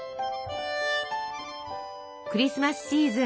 クリスマスシーズン